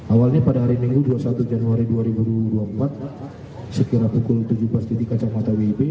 awalnya pada hari minggu dua puluh satu januari dua ribu dua puluh empat sekira pukul tujuh belas titik kacamata wib